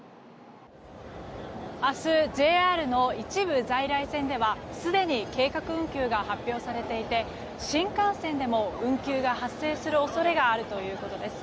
明日ＪＲの一部在来線ではすでに計画運休が発表されていて新幹線でも運休が発生する恐れがあるということです。